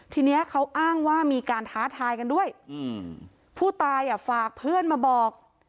ทีนี้เขาอ้างว่ามีการท้าทายกันด้วยอืมผู้ตายอ่ะฝากเพื่อนมาบอก